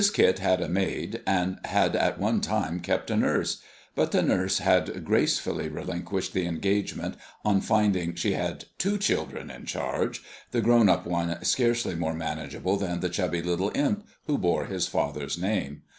Kit had a maid, and had at one time kept a nurse; but the nurse had gracefully relinquished the engagement on finding she had two children in charge, the grown up one scarcely more manageable than the chubby little imp who bore his father's name.